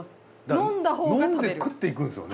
飲んで食っていくんですよね。